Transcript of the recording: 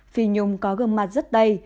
phi nhung có gương mặt rất đầy